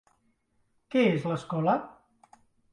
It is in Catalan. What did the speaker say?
Què és l'escola?